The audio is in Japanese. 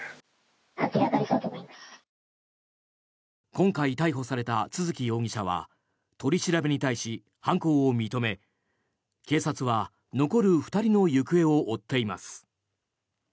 今回逮捕された都築容疑者は取り調べに対し、犯行を認め警察は残る２人の行方を追っています。